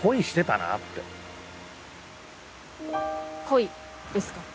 恋ですか？